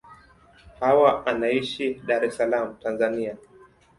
Hawa anaishi Dar es Salaam, Tanzania.